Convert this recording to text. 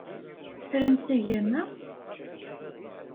Tramt agama?